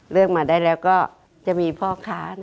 เลือกมาได้แล้วก็จะมีพ่อค้า